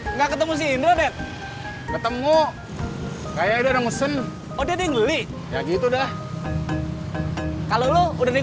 nggak ketemu si indra bet ketemu kayak udah ada musim udah ngeliat ya gitu dah kalau lu udah